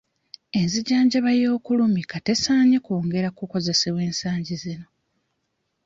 Enzijanjaba ey'okulumika tesaanye kwongera kukozesebwa ensangi zino.